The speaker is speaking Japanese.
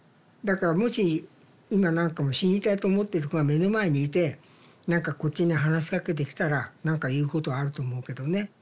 だからもし今何か死にたいと思ってる子が目の前にいて何かこっちに話しかけてきたら何か言うことはあると思うけどね。